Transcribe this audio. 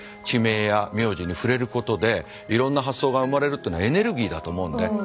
地名や名字に触れることでいろんな発想が生まれるってのはエネルギーだと思うんで。